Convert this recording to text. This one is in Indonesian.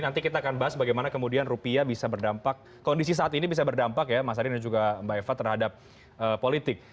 nanti kita akan bahas bagaimana kemudian rupiah bisa berdampak kondisi saat ini bisa berdampak ya mas adin dan juga mbak eva terhadap politik